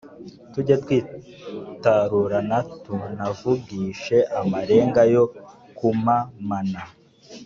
tujye twitarurana tunavugishe amarenga yo kumamana.